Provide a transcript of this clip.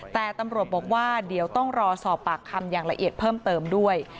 แต่ตำรวจบอกว่าเดี๋ยวต้องรอสอบปากคำอย่างละเอียดเพิ่มเติมด้วย